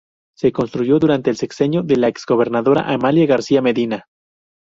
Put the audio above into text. Se construyó durante el sexenio de la ex-gobernadora Amalia García Medina.